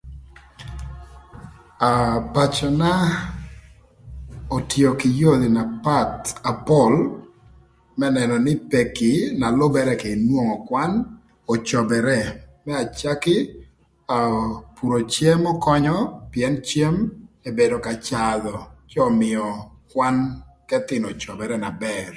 Aa pacöna otio kï yodhi na path na pol më nënö nï peki na lübërë kï nwongo kwan ocobere më acël aa puro cem könyö pïën cem ebedo ka cadhö cë ömïö kwan k'ëthïnö ocobere na bër.